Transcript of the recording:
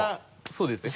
そうですね